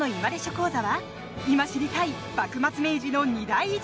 講座」は今知りたい幕末・明治の２大偉人